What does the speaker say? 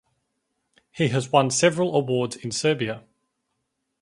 He has won several awards in Serbia.